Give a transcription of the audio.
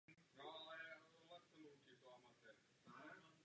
Z otroctví bylo propuštěni.